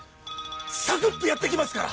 サクっとやってきますから！